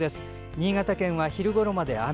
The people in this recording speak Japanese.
新潟県は昼ごろまで雨。